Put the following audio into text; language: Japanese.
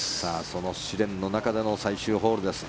その試練の中での最終ホールです。